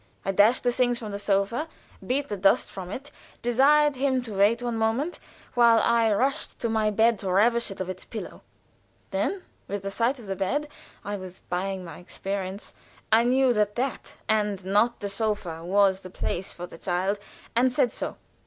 I dashed the things off the sofa, beat the dust from it, desired him to wait one moment while I rushed to my bed to ravish it of its pillow. Then with the sight of the bed (I was buying my experience) I knew that that, and not the sofa, was the place for the child, and said so.